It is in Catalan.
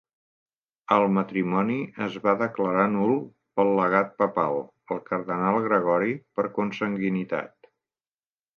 El matrimoni es va declarar nul pel legat papal, el cardenal Gregori, per consanguinitat.